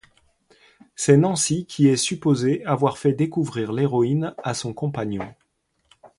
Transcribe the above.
C'est Nancy qui est supposée avoir fait découvrir l'héroïne à son compagnon.